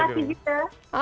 terima kasih juga